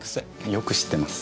よく知ってます。